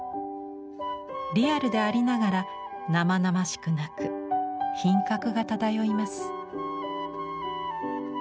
リアルでありながら生々しくなく品格が漂います。